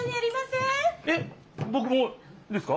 えっぼくもですか？